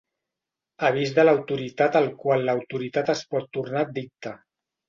Avís de l'autoritat al qual l'autoritat es pot tornar addicta.